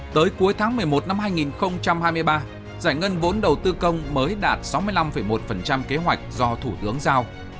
tới cuối tháng một mươi một năm hai nghìn hai mươi ba giải ngân vốn đầu tư công mới đạt sáu mươi năm một kế hoạch do thủ tướng giao